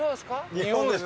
日本です。